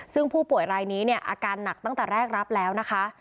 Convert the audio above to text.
ซึ่งผู้ป่วยรายนี้เนี่ยอาการหนักตั้งแต่แรกรับแล้วนะคะ